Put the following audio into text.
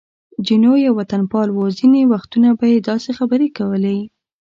جینو یو وطنپال و، ځینې وختونه به یې داسې خبرې کولې.